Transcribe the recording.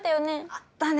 あったね。